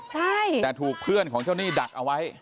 ใช่แต่ถูกเพื่อนของเจ้าหนี้ดักเอาไว้